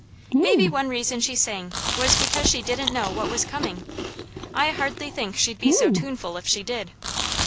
Maybe one reason she sang was because she didn't know what was coming; I hardly think she'd be so tuneful if she did.